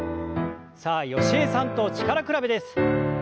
さあ吉江さんと力比べです。